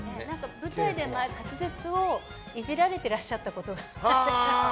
舞台でも滑舌をイジられていらっしゃったことがあって。